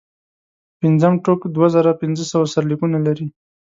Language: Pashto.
پنځم ټوک دوه زره پنځه سوه سرلیکونه لري.